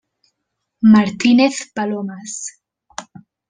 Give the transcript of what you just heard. Martínez palomes.